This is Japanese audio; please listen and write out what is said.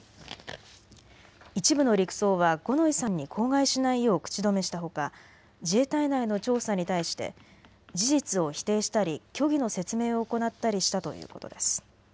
一部の陸曹は五ノ井さんに口外しないよう口止めしたほか自衛隊内の調査に対して事実を否定したり虚偽の説明を行ったりしたということです。